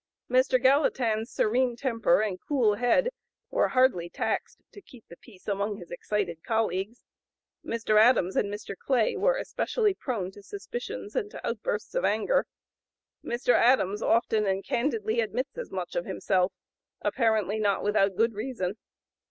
Mr. Gallatin's serene temper and cool head were hardly taxed to keep the peace among his excited colleagues. Mr. Adams and Mr. Clay were especially prone to suspicions and to outbursts of anger. Mr. Adams often and candidly admits as much of himself, apparently not without good reason.